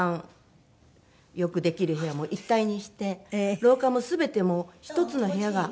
廊下も全てもう１つの部屋が。